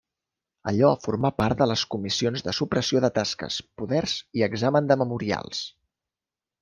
Allò formà part de les comissions de supressió de tasques, poders i examen de memorials.